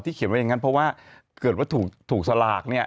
อ๋อที่เขียนไว้อย่างนั้นเพราะว่าเกิดว่าถูกสลาก